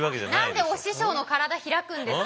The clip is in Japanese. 何でお師匠の体開くんですか？